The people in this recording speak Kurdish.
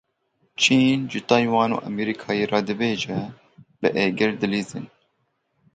Çîn ji Taywan û Amerîkayê re dibêje; bi êgir dilîzîn.